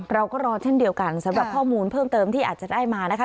เราก็รอเช่นเดียวกันสำหรับข้อมูลเพิ่มเติมที่อาจจะได้มานะคะ